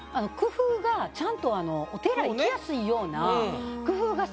工夫がちゃんとお手洗い行きやすいような。